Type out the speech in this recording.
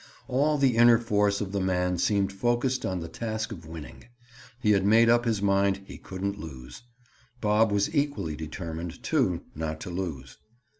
All the inner force of the man seemed focused on the task of winning. He had made up his mind he couldn't lose. Bob was equally determined, too, not to lose.